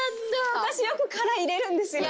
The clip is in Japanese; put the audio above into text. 私よくカラ入れるんですよね。